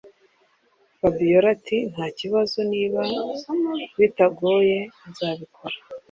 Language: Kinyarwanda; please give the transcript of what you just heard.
fabiora ati”ntakibazo niba bitagoye nzabikora